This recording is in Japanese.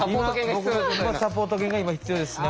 僕サポート犬が今必要ですね。